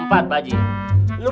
empat kan gua juga ngeliat